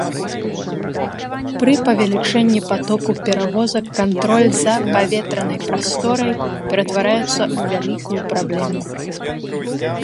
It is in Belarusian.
Пры павелічэнні патоку перавозак кантроль за паветранай прасторай ператвараецца ў вялікую праблему.